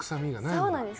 そうなんです。